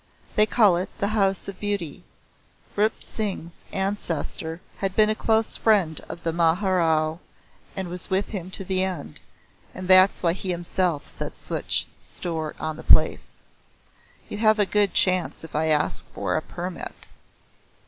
They call it The House of Beauty. Rup Singh's ancestor had been a close friend of the Maharao and was with him to the end, and that's why he himself sets such store on the place. You have a good chance if I ask for a permit.